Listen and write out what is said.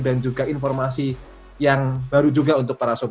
dan juga informasi yang baru juga untuk kamu